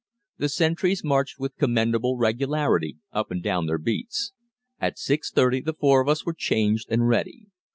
The sentries marched with commendable regularity up and down their beats. At 6.30 the four of us were changed and ready.